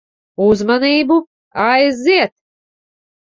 Uzmanību. Aiziet.